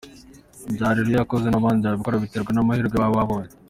ibyo Areruya yakoze n’abandi babikora biterwa n’amahirwe baba babonye".